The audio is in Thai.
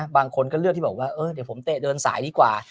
บางคนที่เลือกว่าเดี๋ยวผมเตะเดินสายดีกว่า